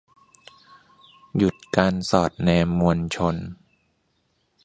หยุดการสอดแนมมวลชน